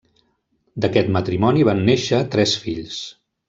D'aquest matrimoni van néixer tres fills.